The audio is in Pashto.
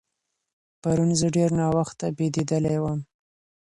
پرون زه ډېر ناوخته بېدېدلی وم.